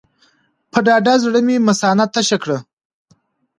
په ډاډه زړه مې مثانه تشه کړه.